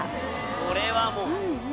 これはもう。